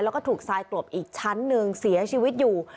แล้วก็ถูกทรายกลบอีกชั้นหนึ่งเสียชีวิตอยู่